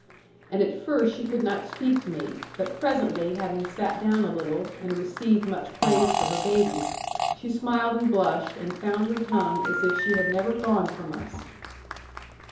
And at first she could not speak to me. But presently having sat down a little, and received much praise for her baby, she smiled and blushed, and found her tongue as if she had never gone from us.